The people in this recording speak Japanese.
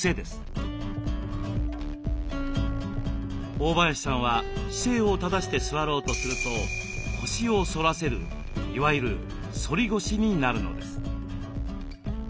大林さんは姿勢を正して座ろうとすると腰を反らせるいわゆる「反り腰」になるのです。